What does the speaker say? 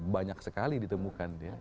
banyak sekali ditemukan